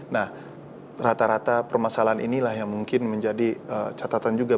nah rata rata permasalahan inilah yang mungkin menjadi catatan juga